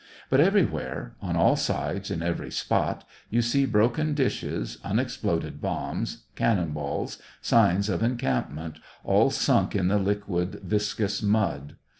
But everywhere, on all sides, in every spot, you see broken dishes, unexploded bombs, cannon balls, signs of encampment, all sunk in the liquid, vis cous mud.